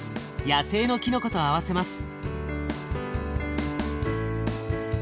野生のきのこと合わせます。